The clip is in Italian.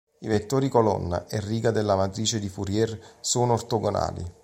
I vettori colonna e riga della matrice di Fourier sono ortogonali.